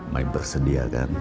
mai bersedia kan